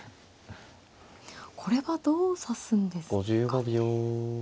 これはどう指すんですかね。